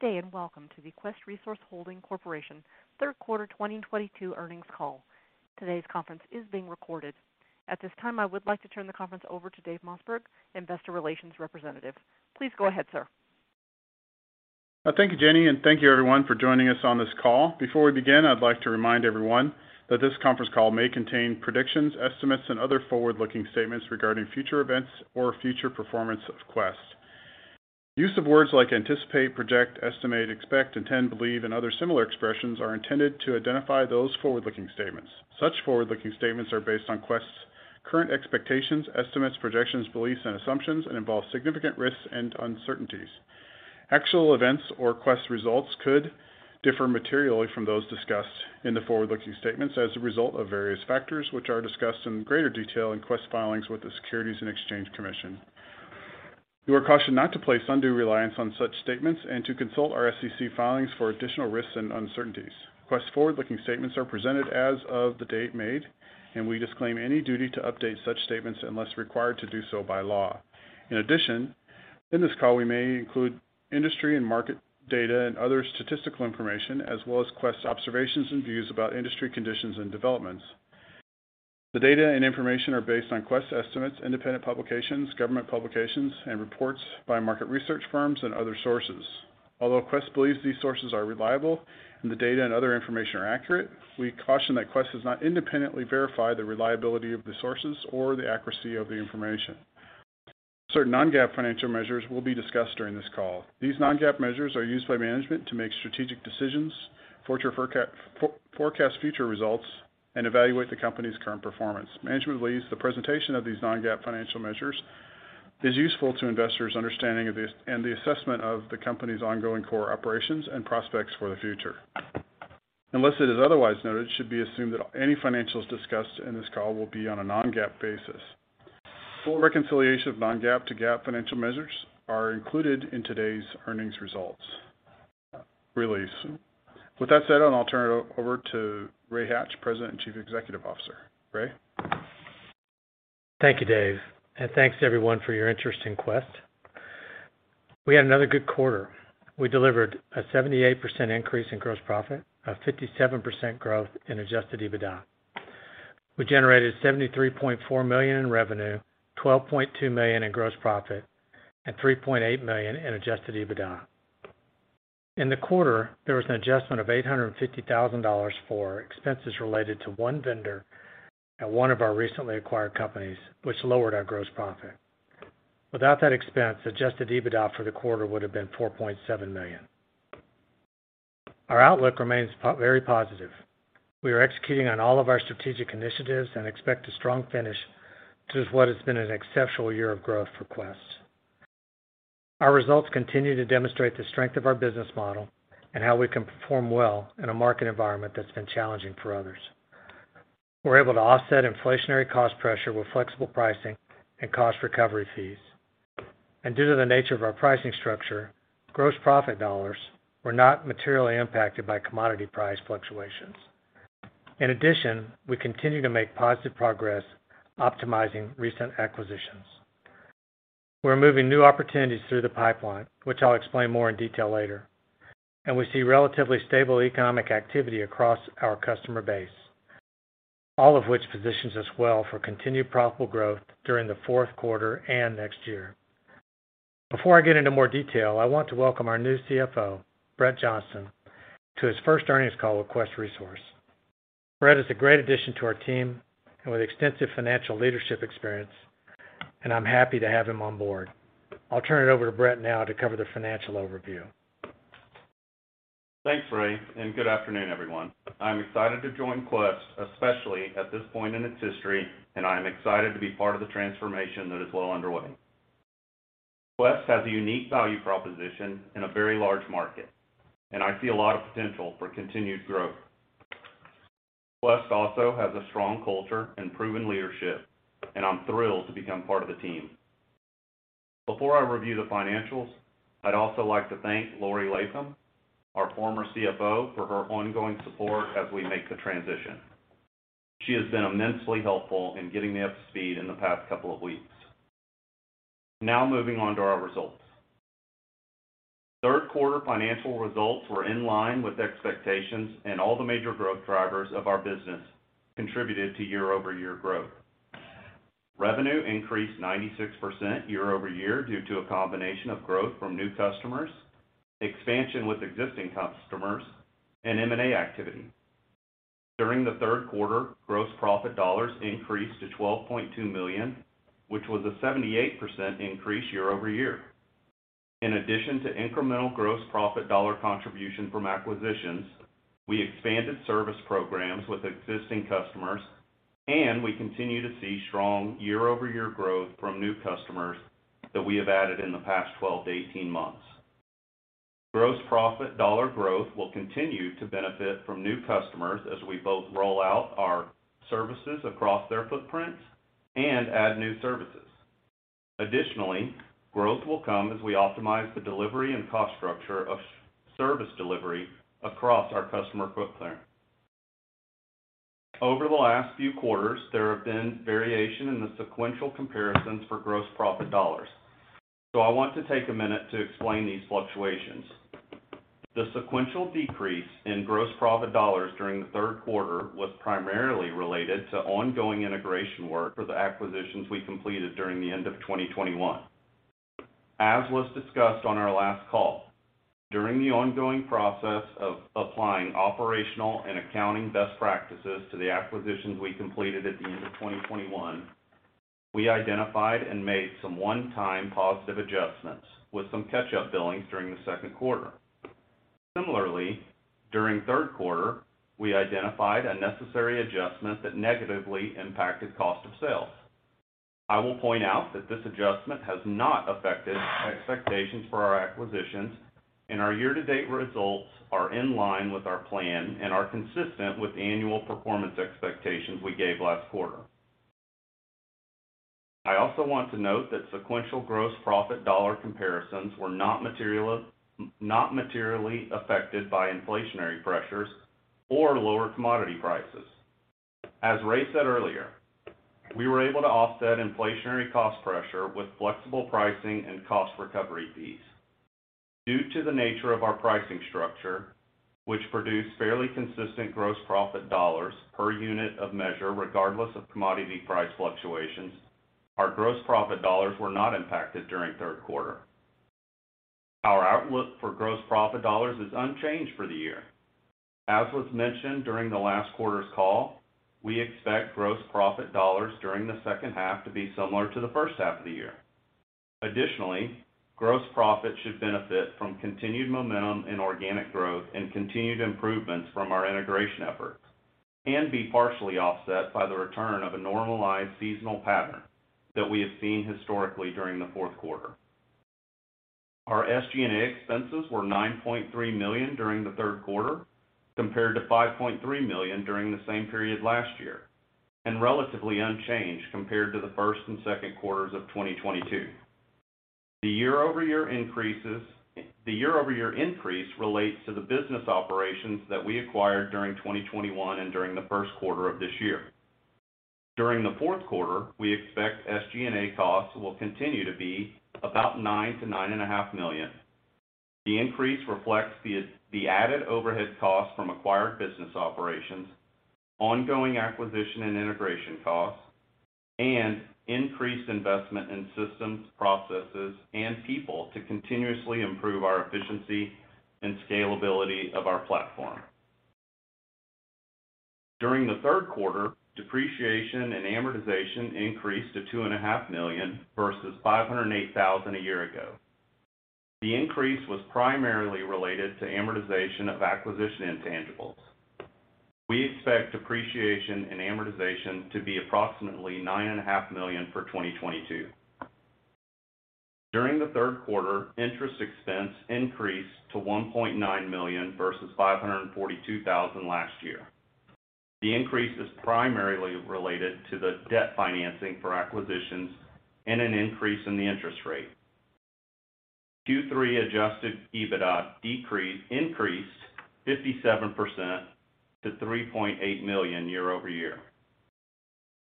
Good day, and welcome to the Quest Resource Holding Corporation third quarter 2022 earnings call. Today's conference is being recorded. At this time, I would like to turn the conference over to Dave Mossberg, Investor Relations Representative. Please go ahead, sir. Thank you, Jenny, and thank you everyone for joining us on this call. Before we begin, I'd like to remind everyone that this conference call may contain predictions, estimates, and other forward-looking statements regarding future events or future performance of Quest. Use of words like anticipate, project, estimate, expect, intend, believe, and other similar expressions are intended to identify those forward-looking statements. Such forward-looking statements are based on Quest's current expectations, estimates, projections, beliefs, and assumptions, and involve significant risks and uncertainties. Actual events or Quest results could differ materially from those discussed in the forward-looking statements as a result of various factors, which are discussed in greater detail in Quest filings with the Securities and Exchange Commission. You are cautioned not to place undue reliance on such statements and to consult our SEC filings for additional risks and uncertainties. Quest forward-looking statements are presented as of the date made, and we disclaim any duty to update such statements unless required to do so by law. In addition, in this call, we may include industry and market data and other statistical information, as well as Quest observations and views about industry conditions and developments. The data and information are based on Quest estimates, independent publications, government publications, and reports by market research firms and other sources. Although Quest believes these sources are reliable and the data and other information are accurate, we caution that Quest has not independently verified the reliability of the sources or the accuracy of the information. Certain non-GAAP financial measures will be discussed during this call. These non-GAAP measures are used by management to make strategic decisions, forecast future results, and evaluate the company's current performance. Management believes the presentation of these non-GAAP financial measures is useful to investors' understanding of this and the assessment of the company's ongoing core operations and prospects for the future. Unless it is otherwise noted, it should be assumed that any financials discussed in this call will be on a non-GAAP basis. Full reconciliation of non-GAAP to GAAP financial measures are included in today's earnings results release. With that said, I'll turn it over to Ray Hatch, President and Chief Executive Officer. Ray. Thank you, Dave, and thanks everyone for your interest in Quest. We had another good quarter. We delivered a 78% increase in gross profit, a 57% growth in adjusted EBITDA. We generated $73.4 million in revenue, $12.2 million in gross profit, and $3.8 million in adjusted EBITDA. In the quarter, there was an adjustment of $850,000 for expenses related to one vendor at one of our recently acquired companies, which lowered our gross profit. Without that expense, adjusted EBITDA for the quarter would have been $4.7 million. Our outlook remains very positive. We are executing on all of our strategic initiatives and expect a strong finish to what has been an exceptional year of growth for Quest. Our results continue to demonstrate the strength of our business model and how we can perform well in a market environment that's been challenging for others. We're able to offset inflationary cost pressure with flexible pricing and cost recovery fees. Due to the nature of our pricing structure, gross profit dollars were not materially impacted by commodity price fluctuations. In addition, we continue to make positive progress optimizing recent acquisitions. We're moving new opportunities through the pipeline, which I'll explain more in detail later. We see relatively stable economic activity across our customer base, all of which positions us well for continued profitable growth during the fourth quarter and next year. Before I get into more detail, I want to welcome our new CFO, Brett Johnston, to his first earnings call with Quest Resource. Brett is a great addition to our team and with extensive financial leadership experience, and I'm happy to have him on board. I'll turn it over to Brett now to cover the financial overview. Thanks, Ray, and good afternoon, everyone. I'm excited to join Quest, especially at this point in its history, and I am excited to be part of the transformation that is well underway. Quest has a unique value proposition in a very large market, and I see a lot of potential for continued growth. Quest also has a strong culture and proven leadership, and I'm thrilled to become part of the team. Before I review the financials, I'd also like to thank Laurie L. Latham, our former CFO, for her ongoing support as we make the transition. She has been immensely helpful in getting me up to speed in the past couple of weeks. Now moving on to our results. Third quarter financial results were in line with expectations and all the major growth drivers of our business contributed to year-over-year growth. Revenue increased 96% year-over-year due to a combination of growth from new customers, expansion with existing customers, and M&A activity. During the third quarter, gross profit dollars increased to $12.2 million, which was a 78% increase year-over-year. In addition to incremental gross profit dollar contribution from acquisitions, we expanded service programs with existing customers, and we continue to see strong year-over-year growth from new customers that we have added in the past 12 to 18 months. Gross profit dollar growth will continue to benefit from new customers as we both roll out our services across their footprints and add new services. Additionally, growth will come as we optimize the delivery and cost structure of service delivery across our customer footprint. Over the last few quarters, there have been variations in the sequential comparisons for gross profit dollars. I want to take a minute to explain these fluctuations. The sequential decrease in gross profit dollars during the third quarter was primarily related to ongoing integration work for the acquisitions we completed during the end of 2021. As was discussed on our last call, during the ongoing process of applying operational and accounting best practices to the acquisitions we completed at the end of 2021, we identified and made some one-time positive adjustments with some catch-up billings during the second quarter. Similarly, during third quarter, we identified a necessary adjustment that negatively impacted cost of sales. I will point out that this adjustment has not affected expectations for our acquisitions, and our year-to-date results are in line with our plan and are consistent with annual performance expectations we gave last quarter. I also want to note that sequential gross profit dollar comparisons were not materially affected by inflationary pressures or lower commodity prices. As Ray said earlier, we were able to offset inflationary cost pressure with flexible pricing and cost recovery fees. Due to the nature of our pricing structure, which produced fairly consistent gross profit dollars per unit of measure regardless of commodity price fluctuations, our gross profit dollars were not impacted during third quarter. Our outlook for gross profit dollars is unchanged for the year. As was mentioned during the last quarter's call, we expect gross profit dollars during the second half to be similar to the first half of the year. Additionally, gross profit should benefit from continued momentum in organic growth and continued improvements from our integration efforts and be partially offset by the return of a normalized seasonal pattern that we have seen historically during the fourth quarter. Our SG&A expenses were $9.3 million during the third quarter, compared to $5.3 million during the same period last year, and relatively unchanged compared to the first and second quarters of 2022. The year-over-year increase relates to the business operations that we acquired during 2021 and during the first quarter of this year. During the fourth quarter, we expect SG&A costs will continue to be about $9-$9.5 million. The increase reflects the added overhead costs from acquired business operations, ongoing acquisition and integration costs, and increased investment in systems, processes, and people to continuously improve our efficiency and scalability of our platform. During the third quarter, depreciation and amortization increased to $2 and a half million versus $508 thousand a year ago. The increase was primarily related to amortization of acquisition intangibles. We expect depreciation and amortization to be approximately $9 and a half million for 2022. During the third quarter, interest expense increased to $1.9 million versus $542 thousand last year. The increase is primarily related to the debt financing for acquisitions and an increase in the interest rate. Q3 adjusted EBITDA increased 57% to $3.8 million year-over-year.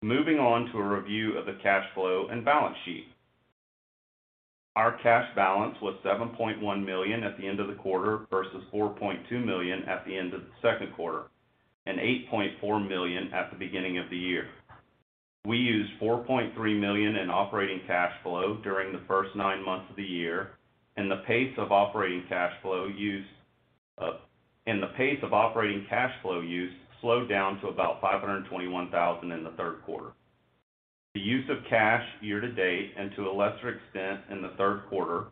Moving on to a review of the cash flow and balance sheet. Our cash balance was $7.1 million at the end of the quarter versus $4.2 million at the end of the second quarter, and $8.4 million at the beginning of the year. We used $4.3 million in operating cash flow during the first nine months of the year, and the pace of operating cash flow use slowed down to about $521,000 in the third quarter. The use of cash year to date, and to a lesser extent in the third quarter,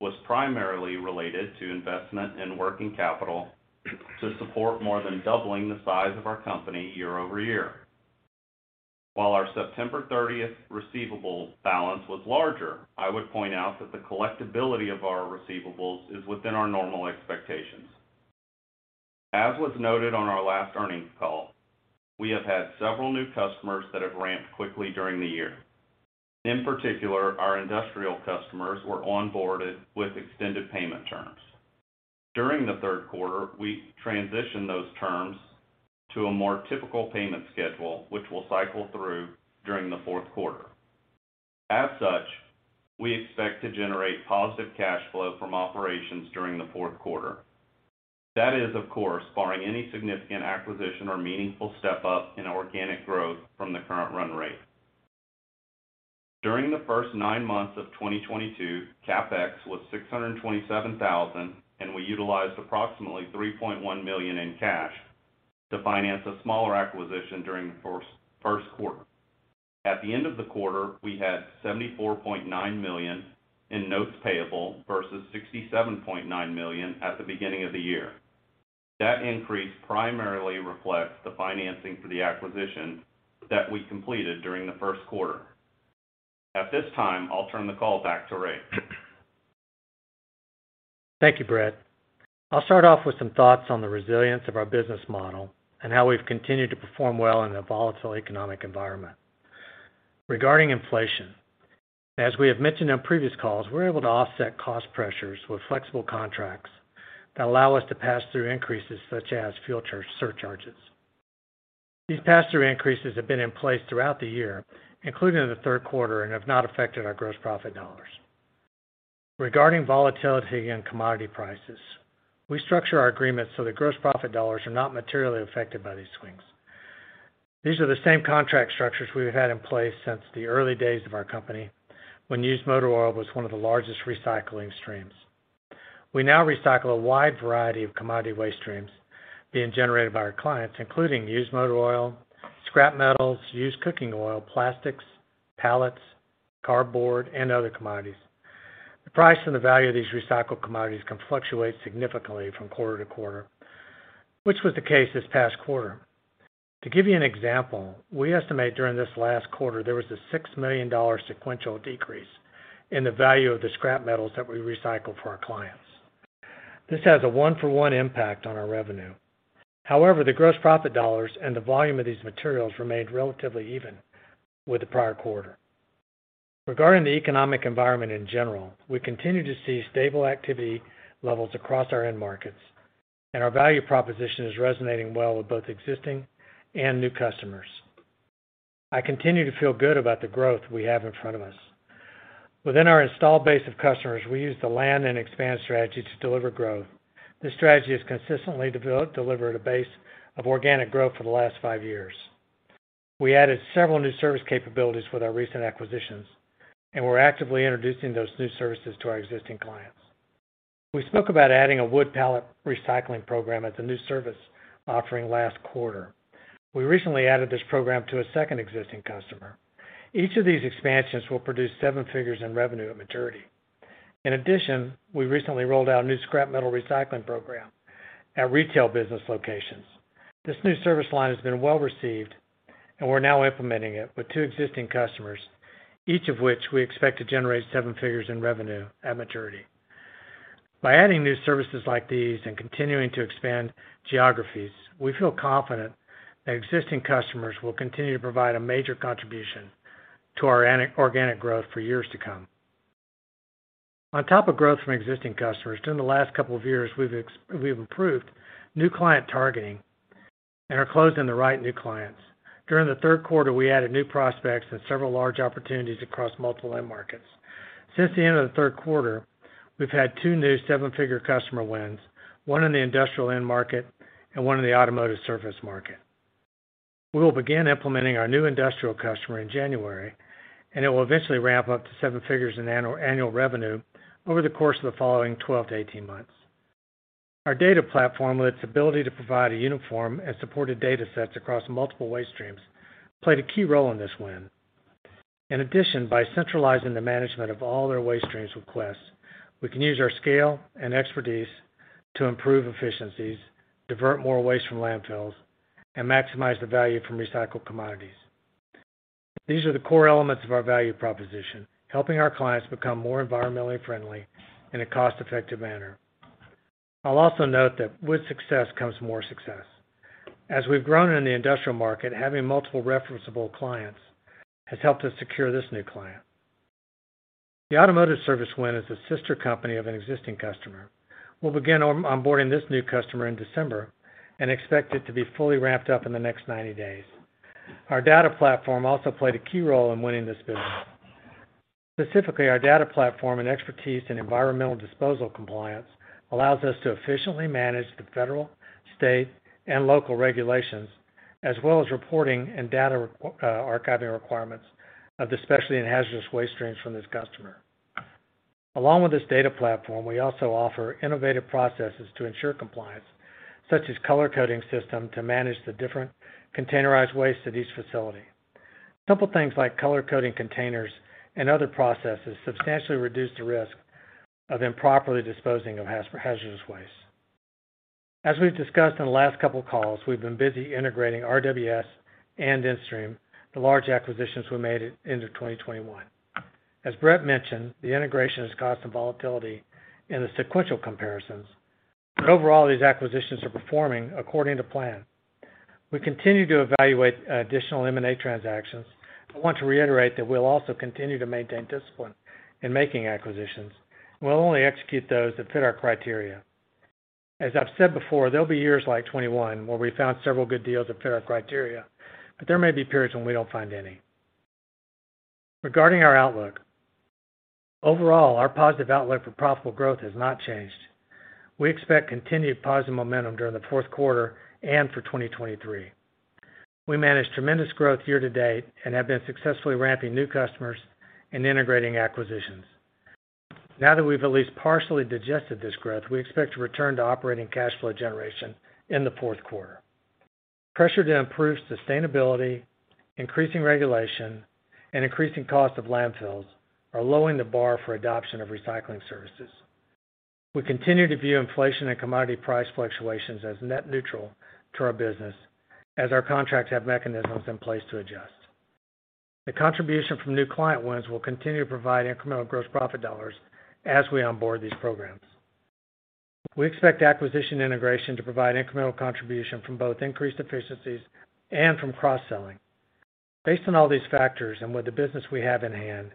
was primarily related to investment in working capital to support more than doubling the size of our company year-over-year. While our September thirtieth receivable balance was larger, I would point out that the collectibility of our receivables is within our normal expectations. As was noted on our last earnings call, we have had several new customers that have ramped quickly during the year. In particular, our industrial customers were onboarded with extended payment terms. During the third quarter, we transitioned those terms to a more typical payment schedule, which will cycle through during the fourth quarter. As such, we expect to generate positive cash flow from operations during the fourth quarter. That is, of course, barring any significant acquisition or meaningful step up in organic growth from the current run rate. During the first nine months of 2022, CapEx was $627,000, and we utilized approximately $3.1 million in cash to finance a smaller acquisition during the first quarter. At the end of the quarter, we had $74.9 million in notes payable versus $67.9 million at the beginning of the year. That increase primarily reflects the financing for the acquisition that we completed during the first quarter. At this time, I'll turn the call back to Ray. Thank you, Brett. I'll start off with some thoughts on the resilience of our business model and how we've continued to perform well in a volatile economic environment. Regarding inflation, as we have mentioned on previous calls, we're able to offset cost pressures with flexible contracts that allow us to pass through increases such as fuel surcharges. These pass-through increases have been in place throughout the year, including in the third quarter, and have not affected our gross profit dollars. Regarding volatility in commodity prices, we structure our agreements so that gross profit dollars are not materially affected by these swings. These are the same contract structures we've had in place since the early days of our company, when used motor oil was one of the largest recycling streams. We now recycle a wide variety of commodity waste streams being generated by our clients, including used motor oil, scrap metals, used cooking oil, plastics, pallets, cardboard, and other commodities. The price and the value of these recycled commodities can fluctuate significantly from quarter to quarter, which was the case this past quarter. To give you an example, we estimate during this last quarter there was a $6 million sequential decrease in the value of the scrap metals that we recycled for our clients. This has a one-for-one impact on our revenue. However, the gross profit dollars and the volume of these materials remained relatively even with the prior quarter. Regarding the economic environment in general, we continue to see stable activity levels across our end markets, and our value proposition is resonating well with both existing and new customers. I continue to feel good about the growth we have in front of us. Within our installed base of customers, we use the land and expand strategy to deliver growth. This strategy has consistently delivered a base of organic growth for the last five years. We added several new service capabilities with our recent acquisitions, and we're actively introducing those new services to our existing clients. We spoke about adding a wood pallet recycling program as a new service offering last quarter. We recently added this program to a second existing customer. Each of these expansions will produce seven figures in revenue at maturity. In addition, we recently rolled out a new scrap metal recycling program at retail business locations. This new service line has been well-received, and we're now implementing it with two existing customers, each of which we expect to generate seven figures in revenue at maturity. By adding new services like these and continuing to expand geographies, we feel confident that existing customers will continue to provide a major contribution to our organic growth for years to come. On top of growth from existing customers, during the last couple of years, we've improved new client targeting and are closing the right new clients. During the third quarter, we added new prospects and several large opportunities across multiple end markets. Since the end of the third quarter, we've had two new seven-figure customer wins, one in the industrial end market and one in the automotive service market. We will begin implementing our new industrial customer in January, and it will eventually ramp up to seven figures in annual revenue over the course of the following 12-18 months. Our data platform, with its ability to provide a uniform and supported data sets across multiple waste streams, played a key role in this win. In addition, by centralizing the management of all their waste streams with Quest, we can use our scale and expertise to improve efficiencies, divert more waste from landfills, and maximize the value from recycled commodities. These are the core elements of our value proposition, helping our clients become more environmentally friendly in a cost-effective manner. I'll also note that with success comes more success. As we've grown in the industrial market, having multiple referenceable clients has helped us secure this new client. The automotive service win is a sister company of an existing customer. We'll begin onboarding this new customer in December and expect it to be fully ramped up in the next 90 days. Our data platform also played a key role in winning this business. Specifically, our data platform and expertise in environmental disposal compliance allows us to efficiently manage the federal, state, and local regulations, as well as reporting and data archiving requirements of the specialty and hazardous waste streams from this customer. Along with this data platform, we also offer innovative processes to ensure compliance, such as color-coding system to manage the different containerized waste at each facility. Simple things like color-coding containers and other processes substantially reduce the risk of improperly disposing of hazardous waste. We've discussed on the last couple of calls, we've been busy integrating RWS and InStream, the large acquisitions we made at end of 2021. As Brett mentioned, the integration has caused some volatility in the sequential comparisons, but overall, these acquisitions are performing according to plan. We continue to evaluate additional M&A transactions. I want to reiterate that we'll also continue to maintain discipline in making acquisitions. We'll only execute those that fit our criteria. As I've said before, there'll be years like 2021, where we found several good deals that fit our criteria, but there may be periods when we don't find any. Regarding our outlook, overall, our positive outlook for profitable growth has not changed. We expect continued positive momentum during the fourth quarter and for 2023. We managed tremendous growth year to date and have been successfully ramping new customers and integrating acquisitions. Now that we've at least partially digested this growth, we expect to return to operating cash flow generation in the fourth quarter. Pressure to improve sustainability, increasing regulation, and increasing cost of landfills are lowering the bar for adoption of recycling services. We continue to view inflation and commodity price fluctuations as net neutral to our business, as our contracts have mechanisms in place to adjust. The contribution from new client wins will continue to provide incremental gross profit dollars as we onboard these programs. We expect acquisition integration to provide incremental contribution from both increased efficiencies and from cross-selling. Based on all these factors and with the business we have in hand,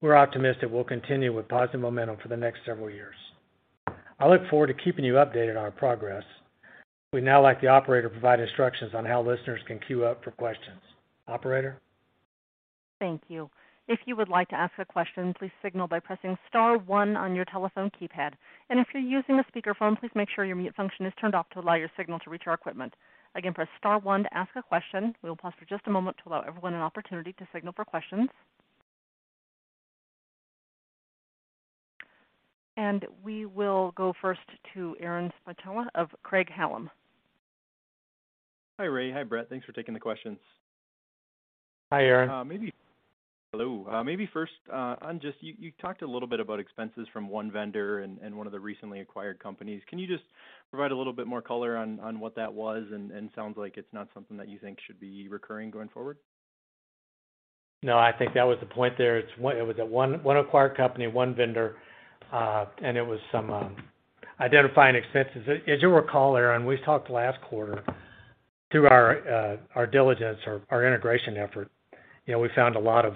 we're optimistic we'll continue with positive momentum for the next several years. I look forward to keeping you updated on our progress. We'd now like the operator to provide instructions on how listeners can queue up for questions. Operator? Thank you. If you would like to ask a question, please signal by pressing star one on your telephone keypad. If you're using a speakerphone, please make sure your mute function is turned off to allow your signal to reach our equipment. Again, press star one to ask a question. We will pause for just a moment to allow everyone an opportunity to signal for questions. We will go first to Aaron Spychalla of Craig-Hallum. Hi, Ray. Hi, Brett. Thanks for taking the questions. Hi, Aaron. Hello. Maybe first, on just you talked a little bit about expenses from one vendor and one of the recently acquired companies. Can you just provide a little bit more color on what that was and sounds like it's not something that you think should be recurring going forward? No, I think that was the point there. It's one. It was a one acquired company, one vendor, and it was some identifying expenses. As you'll recall, Aaron, we talked last quarter through our diligence or our integration effort. You know, we found a lot of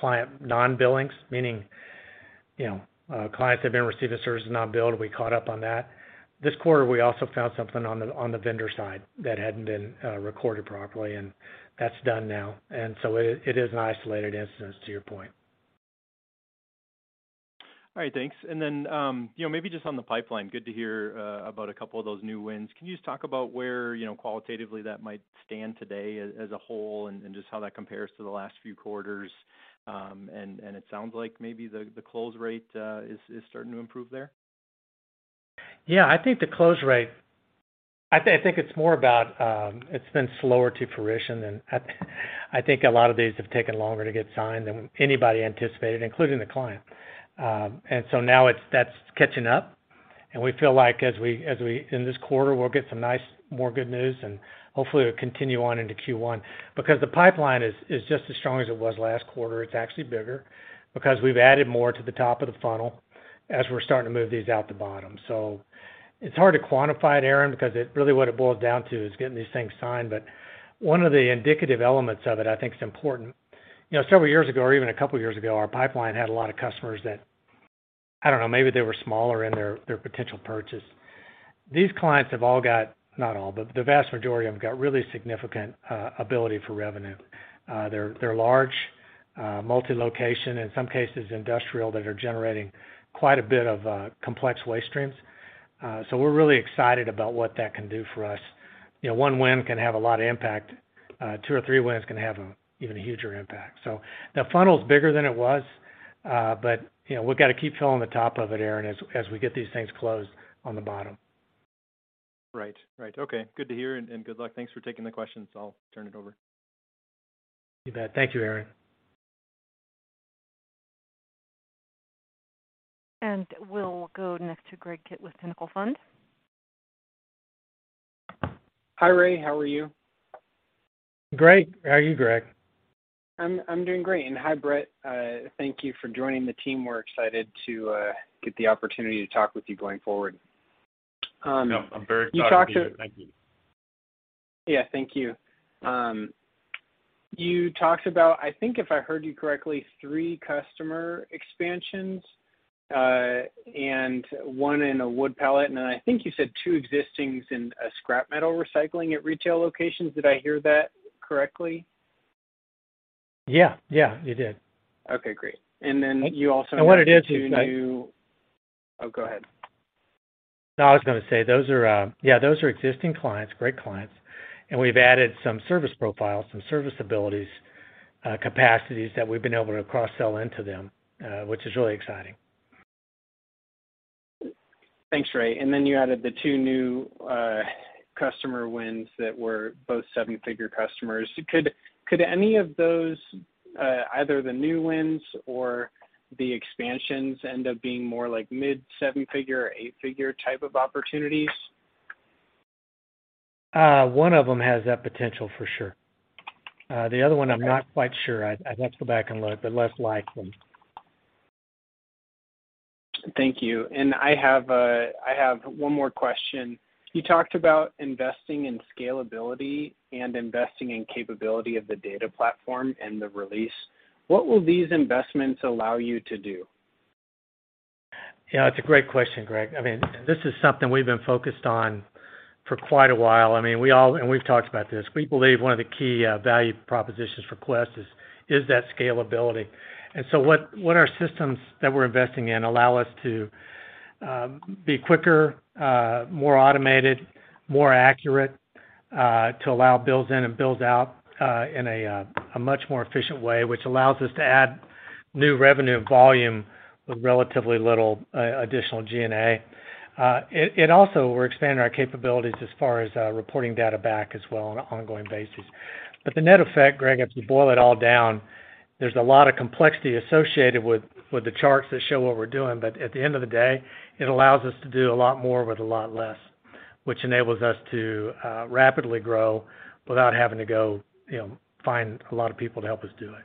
client non-billings, meaning, you know, clients had been receiving services not billed. We caught up on that. This quarter, we also found something on the vendor side that hadn't been recorded properly, and that's done now. It is an isolated instance, to your point. All right. Thanks. You know, maybe just on the pipeline, good to hear about a couple of those new wins. Can you just talk about where, you know, qualitatively that might stand today as a whole and just how that compares to the last few quarters? It sounds like maybe the close rate is starting to improve there. Yeah, I think the close rate. I think it's more about, it's been slower to fruition than I think a lot of these have taken longer to get signed than anybody anticipated, including the client. Now it's. That's catching up and we feel like as we in this quarter, we'll get some nice, more good news and hopefully it'll continue on into Q1. Because the pipeline is just as strong as it was last quarter. It's actually bigger because we've added more to the top of the funnel as we're starting to move these out the bottom. It's hard to quantify it, Aaron, because it really what it boils down to is getting these things signed. One of the indicative elements of it, I think is important. You know, several years ago, or even a couple of years ago, our pipeline had a lot of customers that, I don't know, maybe they were smaller in their potential purchase. These clients have all got not all, but the vast majority of them got really significant ability for revenue. They're large multi-location, in some cases industrial, that are generating quite a bit of complex waste streams. We're really excited about what that can do for us. You know, one win can have a lot of impact. Two or three wins can have an even huger impact. The funnel is bigger than it was, but you know, we've got to keep filling the top of it, Aaron, as we get these things closed on the bottom. Right. Okay. Good to hear and good luck. Thanks for taking the questions. I'll turn it over. You bet. Thank you, Aaron. We'll go next to Greg Kitt with Pinnacle Fund. Hi, Ray. How are you? Greg, how are you, Greg? I'm doing great. Hi, Brett. Thank you for joining the team. We're excited to get the opportunity to talk with you going forward. No, I'm very excited to be here. Thank you. Yeah. Thank you. You talked about, I think if I heard you correctly, three customer expansions, and one in a wood pallet, and then I think you said two existing in a scrap metal recycling at retail locations. Did I hear that correctly? Yeah. Yeah, you did. Okay, great. You also mentioned two new- What it is Oh, go ahead. No, I was gonna say, yeah, those are existing clients, great clients, and we've added some service profiles, some service abilities, capacities that we've been able to cross-sell into them, which is really exciting. Thanks, Ray. You added the two new customer wins that were both seven-figure customers. Could any of those either the new wins or the expansions end up being more like mid seven-figure or eight-figure type of opportunities? One of them has that potential for sure. The other one Okay. I'm not quite sure. I'd have to go back and look, but less likely. Thank you. I have one more question. You talked about investing in scalability and investing in capability of the data platform and the release. What will these investments allow you to do? Yeah, it's a great question, Greg. I mean, this is something we've been focused on for quite a while. I mean, we've talked about this. We believe one of the key value propositions for Quest is that scalability. What our systems that we're investing in allow us to be quicker, more automated, more accurate, to allow builds in and builds out in a much more efficient way, which allows us to add new revenue and volume with relatively little additional G&A. It also, we're expanding our capabilities as far as reporting data back as well on an ongoing basis. The net effect, Greg, if you boil it all down, there's a lot of complexity associated with the charts that show what we're doing. At the end of the day, it allows us to do a lot more with a lot less, which enables us to rapidly grow without having to go, you know, find a lot of people to help us do it.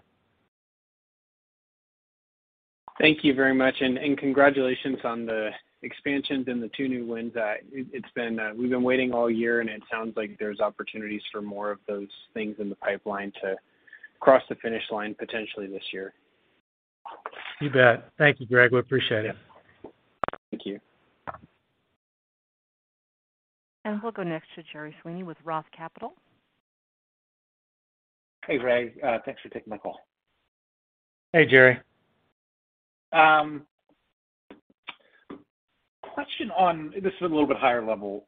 Thank you very much, and congratulations on the expansions and the two new wins. It's been, we've been waiting all year, and it sounds like there's opportunities for more of those things in the pipeline to cross the finish line potentially this year. You bet. Thank you, Greg. We appreciate it. Thank you. We'll go next to Gerry Sweeney with Roth Capital Partners. Hey, Ray. Thanks for taking my call. Hey, Gerry. This is a little bit higher level.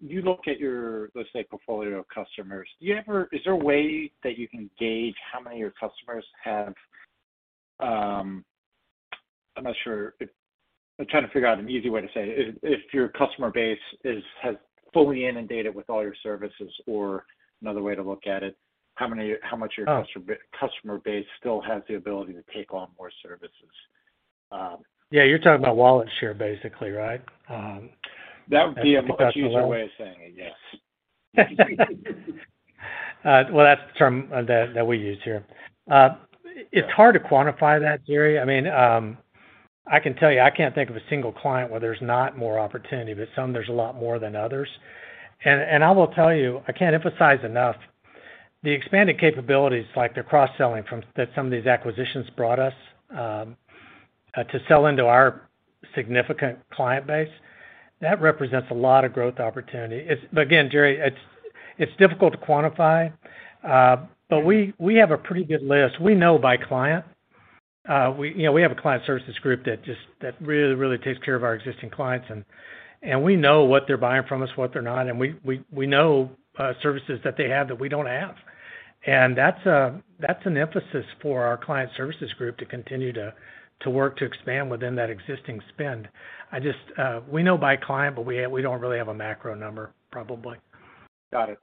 You look at your, let's say, portfolio of customers. Is there a way that you can gauge how many of your customers have. I'm trying to figure out an easy way to say it. If your customer base has fully inundated with all your services or another way to look at it, how many, how much of Oh. your customer base still has the ability to take on more services? Yeah, you're talking about wallet share basically, right? That would be a much easier way of saying it, yes. Well, that's the term that we use here. It's hard to quantify that, Gerry. I mean, I can tell you, I can't think of a single client where there's not more opportunity, but some there's a lot more than others. I will tell you, I can't emphasize enough the expanded capabilities like the cross-selling from that some of these acquisitions brought us to sell into our significant client base. That represents a lot of growth opportunity. It's difficult to quantify. Again, Gerry, it's difficult to quantify. We have a pretty good list. We know by client. You know, we have a client services group that really takes care of our existing clients and we know what they're buying from us, what they're not. We know services that they have that we don't have. That's an emphasis for our client services group to continue to work to expand within that existing spend. I just, we know by client, but we don't really have a macro number, probably. Got it.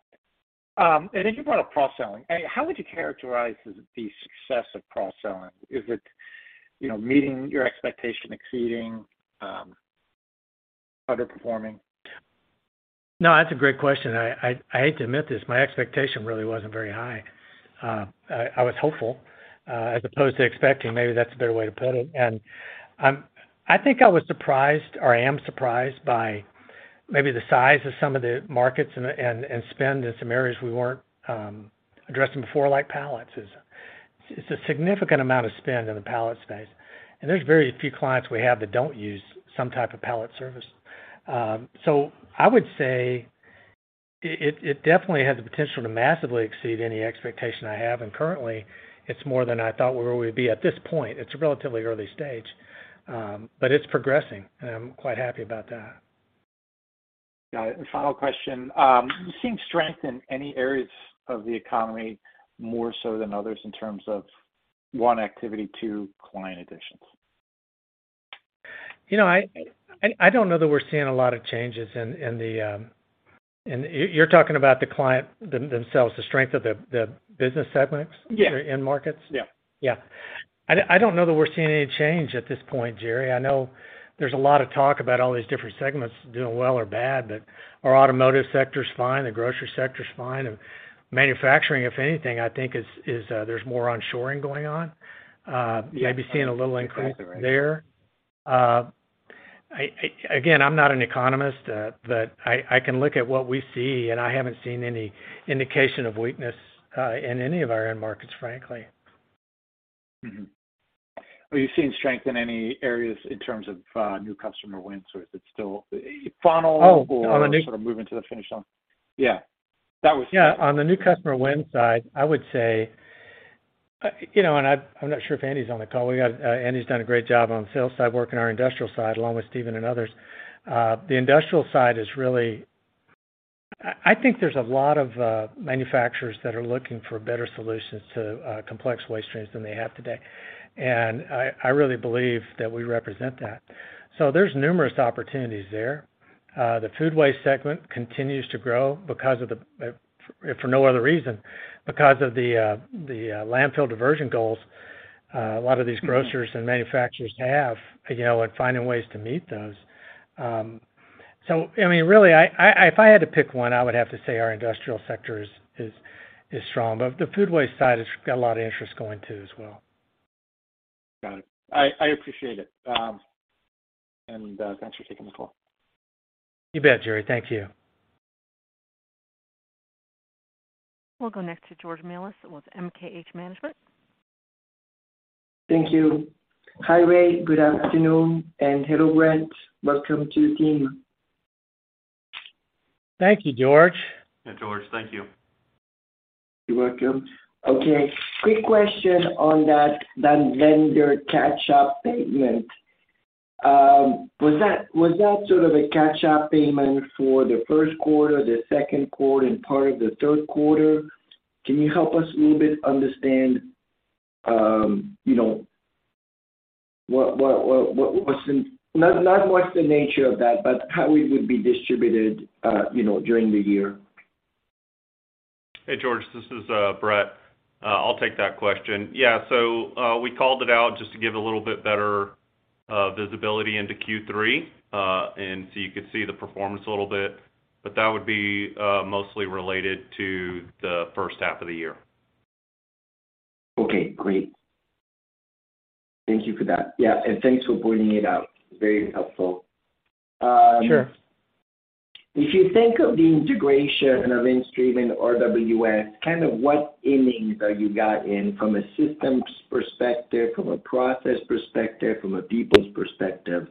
You brought up cross-selling. How would you characterize the success of cross-selling? Is it, you know, meeting your expectation, exceeding, underperforming? No, that's a great question. I hate to admit this. My expectation really wasn't very high. I was hopeful as opposed to expecting, maybe that's a better way to put it. I think I was surprised or I am surprised by maybe the size of some of the markets and spend in some areas we weren't addressing before, like pallets. It's a significant amount of spend in the pallet space. There's very few clients we have that don't use some type of pallet service. So I would say it definitely has the potential to massively exceed any expectation I have. Currently it's more than I thought we would be at this point. It's a relatively early stage, but it's progressing, and I'm quite happy about that. Got it. Final question. Are you seeing strength in any areas of the economy more so than others in terms of, one, activity, two, client additions? You know, I don't know that we're seeing a lot of changes in the. You're talking about the client themselves, the strength of the business segments. Yeah. end markets? Yeah. Yeah. I don't know that we're seeing any change at this point, Jerry. I know there's a lot of talk about all these different segments doing well or bad, but our automotive sector is fine, the grocery sector is fine. Manufacturing, if anything, I think there's more onshoring going on. Maybe seeing a little increase there. Again, I'm not an economist, but I can look at what we see, and I haven't seen any indication of weakness in any of our end markets, frankly. Are you seeing strength in any areas in terms of new customer wins, or is it still funnel- Oh. sort of moving to the finish line? Yeah. That was. Yeah. On the new customer win side, I would say, you know, and I'm not sure if Andy's on the call. We got Andy's done a great job on sales side, working our industrial side along with Steven and others. The industrial side is really. I think there's a lot of manufacturers that are looking for better solutions to complex waste streams than they have today. I really believe that we represent that. There's numerous opportunities there. The food waste segment continues to grow because, if for no other reason, of the landfill diversion goals, a lot of these grocers and manufacturers have, you know, and finding ways to meet those. I mean, really I, if I had to pick one, I would have to say our industrial sector is strong. The food waste side has got a lot of interest going too as well. Got it. I appreciate it. Thanks for taking the call. You bet, Gerry. Thank you. We'll go next to George Melas-Kyriazi with MKH Management. Thank you. Hi, Ray. Good afternoon. Hello, Brett. Welcome to the team. Thank you, George. Yeah, George, thank you. You're welcome. Okay, quick question on that vendor catch-up payment. Was that sort of a catch-up payment for the first quarter, the second quarter, and part of the third quarter? Can you help us a little bit understand, you know, not what's the nature of that, but how it would be distributed, you know, during the year? Hey, George, this is Brett. I'll take that question. Yeah. We called it out just to give a little bit better Visibility into Q3. You can see the performance a little bit, but that would be mostly related to the first half of the year. Okay, great. Thank you for that. Yeah, and thanks for pointing it out. Very helpful. Sure. If you think of the integration of InStream and RWS, kind of what innings have you got in from a systems perspective, from a process perspective, from a people's perspective,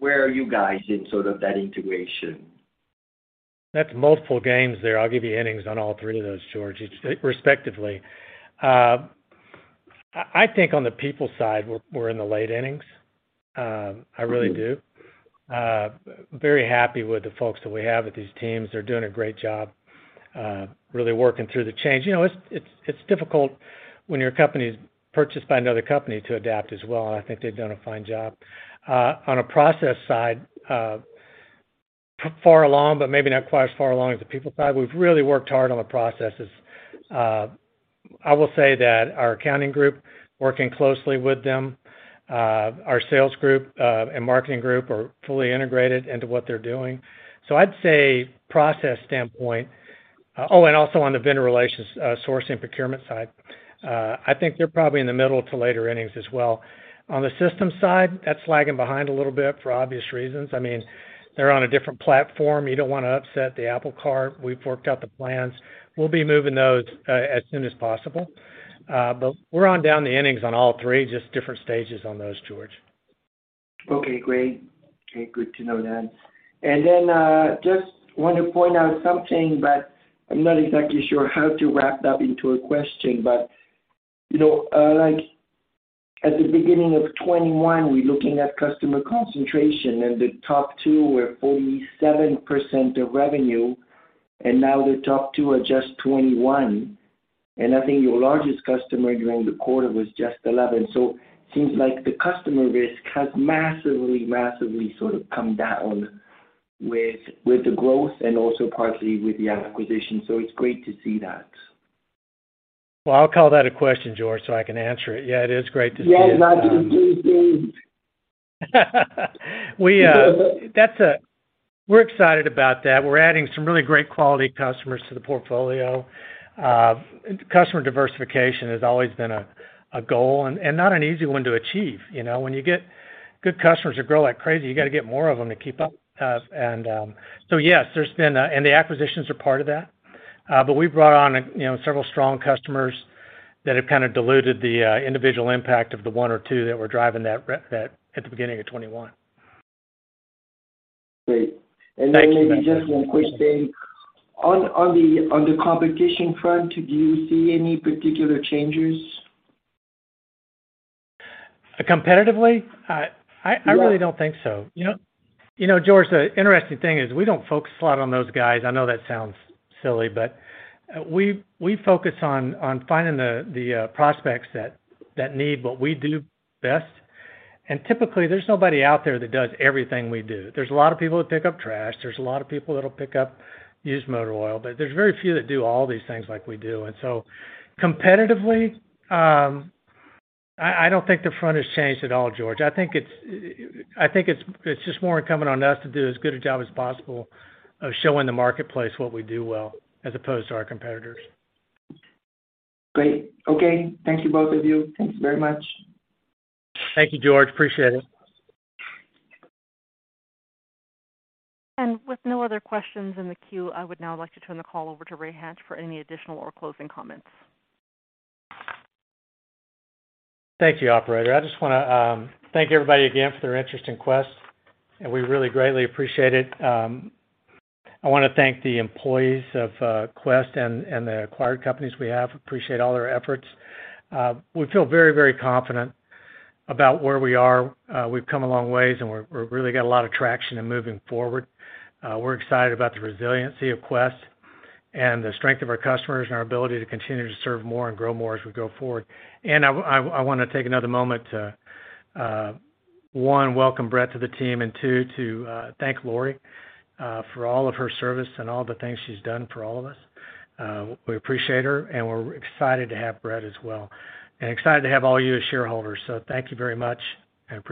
where are you guys in sort of that integration? That's multiple games there. I'll give you innings on all three of those, George, respectively. I think on the people side, we're in the late innings. I really do. Mm-hmm. Very happy with the folks that we have with these teams. They're doing a great job, really working through the change. You know, it's difficult when your company's purchased by another company to adapt as well, and I think they've done a fine job. On a process side, far along, but maybe not quite as far along as the people side. We've really worked hard on the processes. I will say that our accounting group, working closely with them, our sales group, and marketing group are fully integrated into what they're doing. So I'd say process standpoint. Oh, and also on the vendor relations, source and procurement side. I think they're probably in the middle to later innings as well. On the systems side, that's lagging behind a little bit for obvious reasons. I mean, they're on a different platform. You don't wanna upset the apple cart. We've worked out the plans. We'll be moving those as soon as possible. We're in the late innings on all three, just different stages on those, George. Okay, great. Okay, good to know that. Then, just want to point out something, but I'm not exactly sure how to wrap that into a question. You know, like at the beginning of 2021, we're looking at customer concentration, and the top two were 47% of revenue, and now the top two are just 21%. I think your largest customer during the quarter was just 11%. Seems like the customer risk has massively sort of come down with the growth and also partly with the acquisition. It's great to see that. Well, I'll call that a question, George, so I can answer it. Yeah, it is great to see it. Yes, absolutely, please. We're excited about that. We're adding some really great quality customers to the portfolio. Customer diversification has always been a goal and not an easy one to achieve. You know, when you get good customers that grow like crazy, you gotta get more of them to keep up. Yes, the acquisitions are part of that. We've brought on, you know, several strong customers that have kinda diluted the individual impact of the one or two that were driving that at the beginning of 2021. Great. Thanks. Maybe just one quick thing. On the competition front, do you see any particular changes? Competitively? Yes. I really don't think so. You know, George, the interesting thing is we don't focus a lot on those guys. I know that sounds silly, but we focus on finding the prospects that need what we do best. Typically, there's nobody out there that does everything we do. There's a lot of people that pick up trash. There's a lot of people that'll pick up used motor oil, but there's very few that do all these things like we do. Competitively, I don't think the front has changed at all, George. I think it's just more incumbent on us to do as good a job as possible of showing the marketplace what we do well as opposed to our competitors. Great. Okay. Thank you, both of you. Thanks very much. Thank you, George. Appreciate it. With no other questions in the queue, I would now like to turn the call over to Ray Hatch for any additional or closing comments. Thank you, operator. I just wanna thank everybody again for their interest in Quest, and we really greatly appreciate it. I wanna thank the employees of Quest and the acquired companies we have. Appreciate all their efforts. We feel very confident about where we are. We've come a long ways, and we really got a lot of traction in moving forward. We're excited about the resiliency of Quest and the strength of our customers and our ability to continue to serve more and grow more as we go forward. I wanna take another moment to one, welcome Brett to the team, and two, to thank Laurie for all of her service and all the things she's done for all of us. We appreciate her, and we're excited to have Brett as well. Excited to have all you as shareholders. Thank you very much, and we're looking-